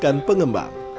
dan menambahkan pengembang